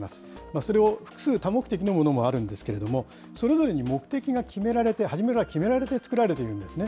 それを複数、多目的のものもあるんですけれども、それぞれに目的が決められて、初めから決められて造られているんですね。